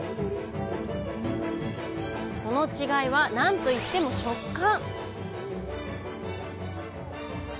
その違いはなんといっても食感